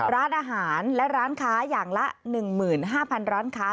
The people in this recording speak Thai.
ร้านอาหารและร้านค้าอย่างละ๑๕๐๐ร้านค้า